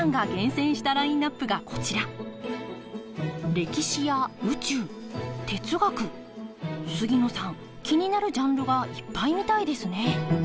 歴史や宇宙哲学杉野さん気になるジャンルがいっぱいみたいですね！